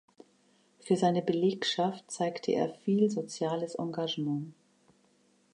Für seine Belegschaft zeigte er viel soziales Engagement.